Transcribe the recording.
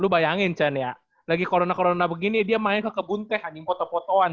lu bayangin chan ya lagi corona corona begini dia main ke kebun teh anjing poto potoan